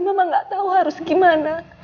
mama gak tau harus gimana